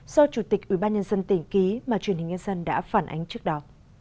do chủ tịch ủy ban nhân dân tỉnh ký mà truyền hình nhân dân đã phản ánh trước đó